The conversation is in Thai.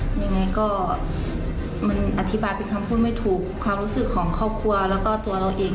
ยังไงก็มันอธิบายเป็นคำพูดไม่ถูกความรู้สึกของครอบครัวความรู้สึกของแมงกลับคืนมา